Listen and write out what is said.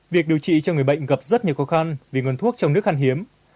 việc điều trị cho người bệnh gặp rất nhiều khó khăn vì nguồn thuốc trong nước khăn hiếm